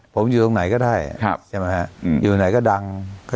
ผมอยู่ตรงไหนก็ได้ใช่ไหมฮะอยู่ไหนก็ดัง